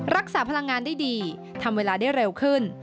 รักษาพลังงานได้ดีทำเวลาได้เร็วขึ้น